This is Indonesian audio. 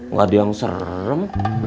gak ada yang serem